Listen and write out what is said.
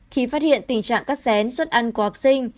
khi phát hiện tình trạng cắt xén suất ăn của học sinh